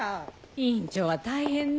委員長は大変ね。